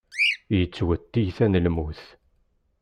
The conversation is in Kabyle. Yettwet tiyita n lmut.